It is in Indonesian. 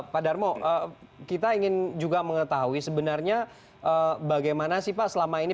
pak darmo kita ingin juga mengetahui sebenarnya bagaimana sih pak selama ini